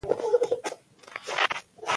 د مېلو له لاري خلک له خپل اصل سره مښلول کېږي.